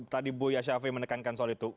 tadi bu yashafei menekankan soal itu